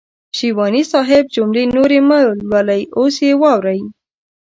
شېواني صاحب جملې نورې مهلولئ اوس يې واورئ.